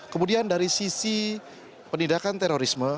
kemudian dari sisi penindakan terorisme